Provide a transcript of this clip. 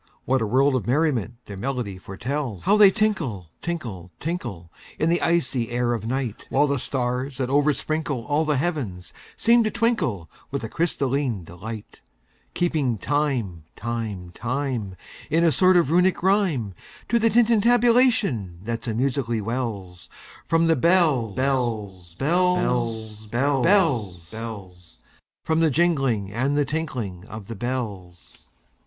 What a world of merriment their melody foretells! How they tinkle, tinkle, tinkle, In the icy air of night! While the stars, that oversprinkleAll the heavens, seem to twinkleWith a crystalline delight; Keeping time, time, time, In a sort of Runic rhyme, To the tintinnabulation that so musically wellsFrom the bells, bells, bells, bells, Bells, bells, bells—From the jingling and the tinkling of the bells.